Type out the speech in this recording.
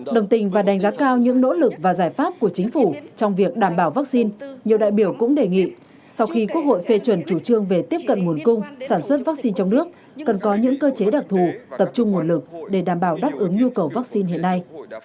đồng tình và đánh giá cao những nỗ lực và giải pháp của chính phủ trong việc đảm bảo vaccine nhiều đại biểu cũng đề nghị sau khi quốc hội phê chuẩn chủ trương về tiếp cận nguồn cung sản xuất vaccine trong nước cần có những cơ chế đặc thù tập trung nguồn lực để đảm bảo đáp ứng nhu cầu vaccine hiện nay